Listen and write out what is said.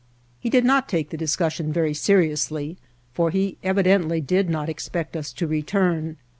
He did not take the discus sion very seriously, for he evidently did not expect us to return.